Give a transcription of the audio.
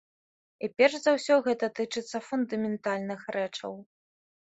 І перш за ўсё гэта тычыцца фундаментальных рэчаў.